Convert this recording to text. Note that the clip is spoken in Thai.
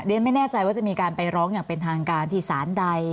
ไม่แน่ใจว่าจะมีการไปร้องอย่างเป็นทางการที่สารใด